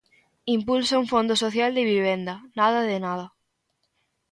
Impulso a un Fondo Social de Vivenda, nada de nada.